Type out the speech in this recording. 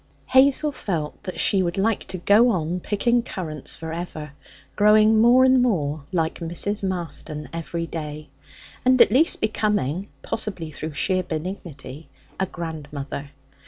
Hazel felt that she would like to go on picking currants for ever, growing more and more like Mrs. Marston every day, and at least becoming (possibly through sheer benignity) a grandmother.